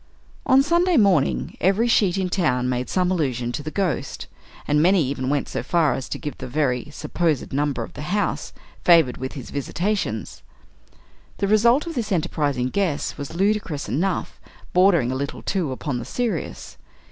On Sunday morning, every sheet in town made some allusion to the Ghost, and many even went so far as to give the very (supposed) number of the house favored with his visitations. The result of this enterprising guess was ludicrous enough, bordering a little, too, upon the serious.